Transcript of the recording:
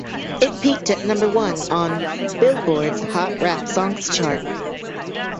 It peaked at number one on "Billboard"s Hot Rap Songs chart.